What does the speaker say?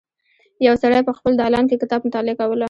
یو سړی په خپل دالان کې کتاب مطالعه کوله.